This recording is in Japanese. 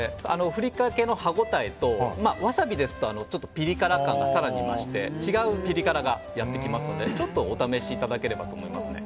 ふりかけの歯応えとワサビですとピリ辛感が更に増して違うピリ辛がやってきますのでお試しいただければと思います。